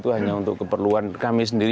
itu hanya untuk keperluan kami sendiri